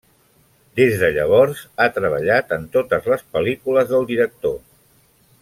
Des de llavors ha treballat en totes les pel·lícules del director.